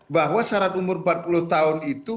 bahwa syarat umur empat puluh tahun itu